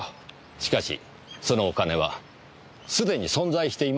しかしそのお金はすでに存在していません。